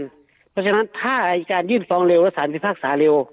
เพราะฉะนั้นถ้าอายการยื่นฟ้องเร็วและสารพิพากษาเร็ว